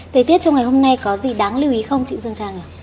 thời tiết trong ngày hôm nay có gì đáng lưu ý không chị dương trang ạ